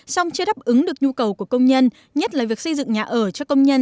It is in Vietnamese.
song chưa đáp ứng được nhu cầu của công nhân nhất là việc xây dựng nhà ở cho công nhân